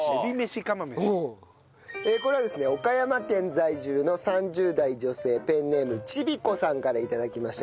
これはですね岡山県在住の３０代女性ペンネームちびこさんから頂きました。